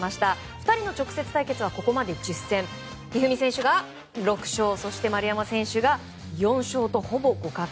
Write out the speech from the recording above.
２人の直接対決はここまで１０戦一二三選手が６勝そして丸山選手が４勝とほぼ互角。